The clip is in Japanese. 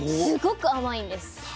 すごく甘いんです。